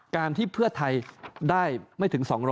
การที่เพื่อไทยได้ไม่ถึง๒๐๐